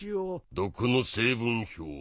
毒の成分表は？